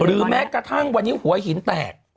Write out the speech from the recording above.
แม้กระทั่งวันนี้หัวหินแตก